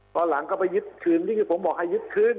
ตอนหลังก็ไปยึดคืนที่ผมบอกให้ยึดคืน